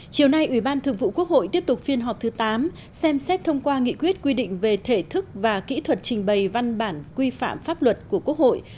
chiều nay ủy ban thường vụ quốc hội tiếp tục phiên họp thứ tám xem xét thông qua nghị quyết quy định về thể thức và kỹ thuật trình bày văn bản quy phạm pháp luật của quốc hội